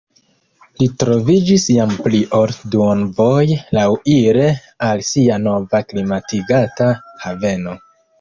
Li troviĝis jam pli ol duonvoje laŭire al sia nova klimatigata haveno.